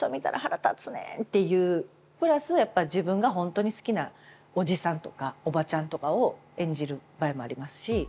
プラスやっぱ自分が本当に好きなおじさんとかおばちゃんとかを演じる場合もありますし。